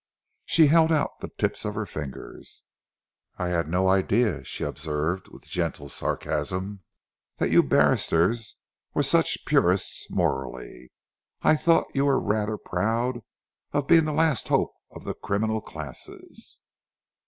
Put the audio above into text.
She held out the tips of her fingers. "I had no idea," she observed, with gentle sarcasm, "that you barristers were such purists morally. I thought you were rather proud of being the last hope of the criminal classes."